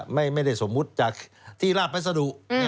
ไม่ได้สมมุติจากที่ราบพัสดุ